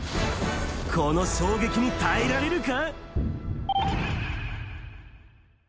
この衝撃に耐えられるか？